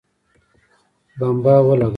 بمبه ولګوه